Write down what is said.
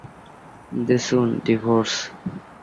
They soon divorce.